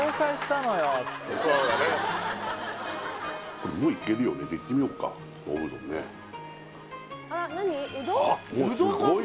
これもういけるよねいってみようかおうどんねあっすごい